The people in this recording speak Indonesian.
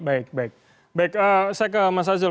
baik saya ke mas hazul